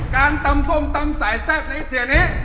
การตำส้มตำสายแซ่บนี้ทีนี้